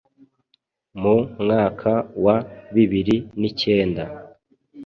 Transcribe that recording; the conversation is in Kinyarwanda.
Mu mwaka wa bibiri nicyenda